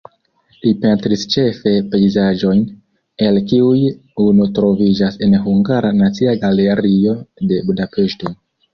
Li pentris ĉefe pejzaĝojn, el kiuj unu troviĝas en Hungara Nacia Galerio de Budapeŝto.